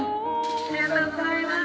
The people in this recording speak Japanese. ありがとうございます。